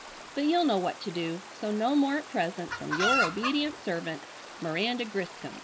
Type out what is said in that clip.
But you'll know what to do, so no more at present from your obedient servent, "MIRANDA GRISCOM."